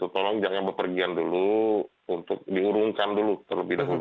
tolong jangan berpergian dulu untuk diurungkan dulu terlebih dahulu